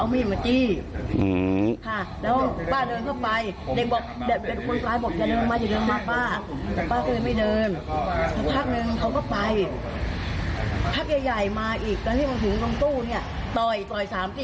มีดจ้วงแทงนะครับ